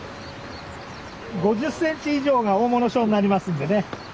５０ｃｍ以上が大物賞になりますんでね。